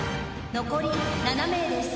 残り７名です。